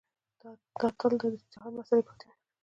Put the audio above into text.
دا تل د اجتهاد مسأله پاتې وي.